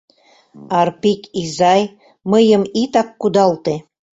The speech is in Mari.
Арпик изай, мыйым итак кудалте...